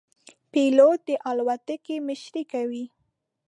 پیلوټ د الوتکې مشري کوي.